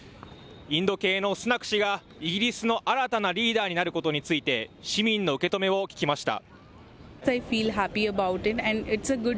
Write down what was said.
インド系のスナク氏がイギリスの新たなリーダーになることについて、市民の受け止めを聞きました。